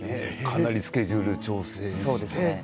かなりスケジュール調整をして。